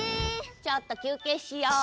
ちょっときゅうけいしよう。